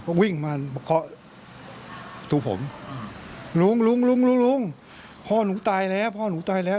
ก็วิ่งมามาเคาะตัวผมลุงลุงลุงลุงพ่อหนูตายแล้วพ่อหนูตายแล้ว